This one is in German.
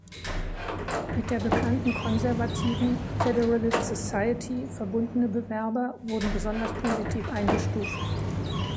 Mit der bekannten konservativen Federalist Society verbundene Bewerber wurden besonders positiv eingestuft.